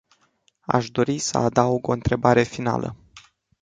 Aș dori să adaug o întrebare finală.